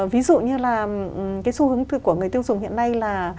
ví dụ như là cái xu hướng của người tiêu dùng hiện nay là